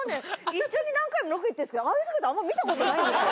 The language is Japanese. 一緒に何回もロケ行ってるんですけどああいう姿あんまり見たことないんですよ。